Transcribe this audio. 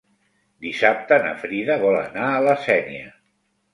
Dissabte na Frida vol anar a la Sénia.